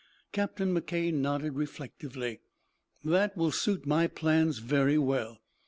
Captain McKay nodded reflectively. "That will suit my plans very well.